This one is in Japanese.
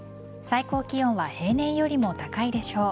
最高気温は平年よりも高いでしょう。